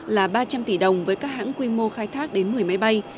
là ba trăm linh tỷ đồng với các hãng quy mô khai thác đến một mươi máy bay